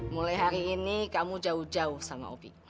mulai hari ini kamu jauh jauh sama ovi